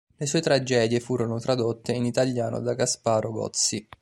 Le sue tragedie furono tradotte in italiano da Gasparo Gozzi.